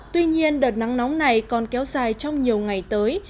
tuy nhiên đợt nắng nóng này còn kéo dài trong nhiều ngày tới